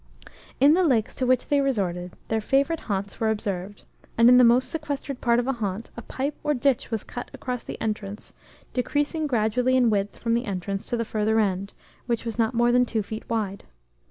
"In the lakes to which they resorted, their favourite haunts were observed, and in the most sequestered part of a haunt, a pipe or ditch was cut across the entrance, decreasing gradually in width from the entrance to the further end, which was not more than two feet wide.